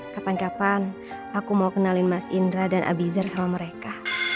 kapan kapan aku mau kenalin mas indra dan abizar sama mereka